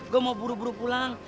gue mau buru buru pulang